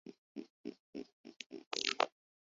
internet کی رفتار